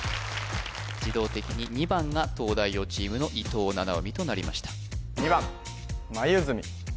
自動的に２番が東大王チームの伊藤七海となりました